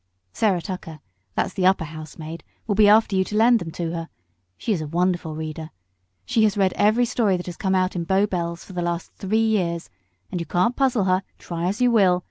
"Sarah Tucker that's the upper housemaid will be after you to lend them to her. She is a wonderful reader. She has read every story that has come out in Bow Bells for the last three years, and you can't puzzle her, try as you will.